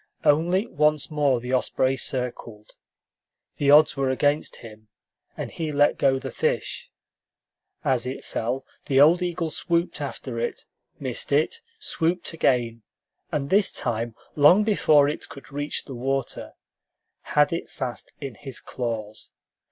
Only once more the osprey circled. The odds were against him, and he let go the fish. As it fell, the old eagle swooped after it, missed it, swooped again, and this time, long before it could reach the water, had it fast in his claws.